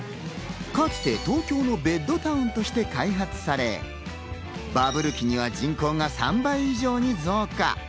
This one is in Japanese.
かつて東京のベッドタウンとして開発され、バブル期には人口が３倍以上に増加。